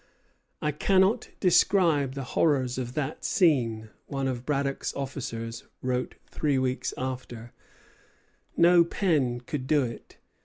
"I cannot describe the horrors of that scene," one of Braddock's officers wrote three weeks after; "no pen could do it.